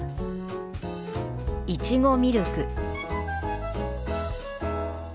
「いちごミルク」。